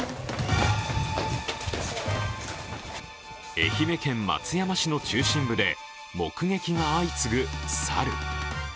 愛媛県松山市の中心部で目撃が相次ぐ猿。